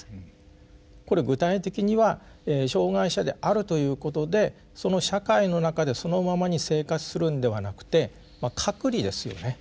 これ具体的には障害者であるということでその社会の中でそのままに生活するんではなくて隔離ですよね。